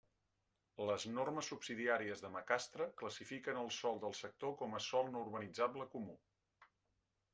Les normes subsidiàries de Macastre classifiquen el sòl del sector com a sòl no urbanitzable comú.